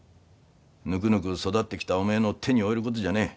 ぬくぬく育ってきたおめえの手に負えることじゃねえ。